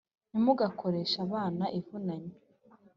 Ntimugakoreshe abana ivunanye